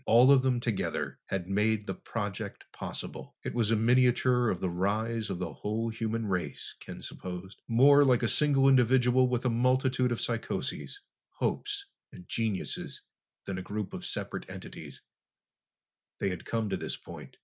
All of them together had made the project possible. It was a miniature of the rise of the whole human race, Ken supposed. More like a single individual with a multitude of psychoses, hopes, and geniuses, than a group of separate entities, they had come to this point.